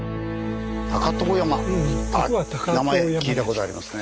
あ名前聞いたことありますね。